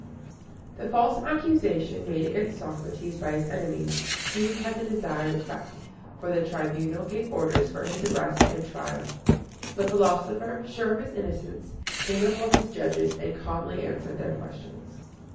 The false accusation made against Socrates by his enemies soon had the desired effect, for the Tribunal gave orders for his arrest and trial. The philosopher, sure of his innocence, came before his judges, and calmly answered their questions.